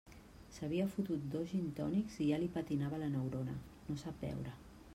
S'havia fotut dos gintònics i ja li patinava la neurona; no sap beure.